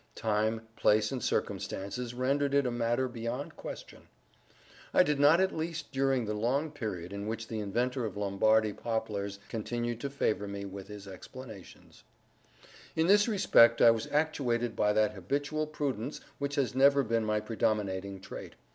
Time, place, and circumstances rendered it a matter beyond question. I did not, however, immediately release my hold upon Mr. W.'s proboscis—not at least during the long period in which the inventor of Lombardy poplars continued to favor me with his explanations. In this respect I was actuated by that habitual prudence which has ever been my predominating trait.